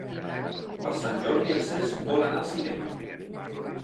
Per Sant Jordi en Cesc vol anar al cinema.